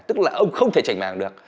tức là ông không thể chảnh màng được